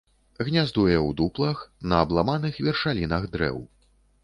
Гняздуе ў дуплах, на абламаных вяршалінах дрэў.